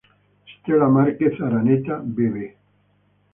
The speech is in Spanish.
Stella Márquez-Araneta, Bb.